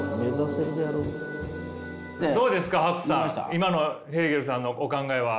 今のヘーゲルさんのお考えは？